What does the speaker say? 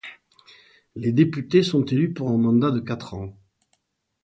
Les députés sont élus pour un mandat de quatre ans.